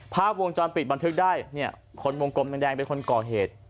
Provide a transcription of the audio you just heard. ภาพวงจรปิดบันทึกได้เนี่ยคนวงกลมแดงเป็นคนก่อเหตุ